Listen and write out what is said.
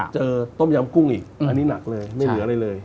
ต้มยำกุ้งอีกอันนี้หนักเลยไม่เหลืออะไรเลย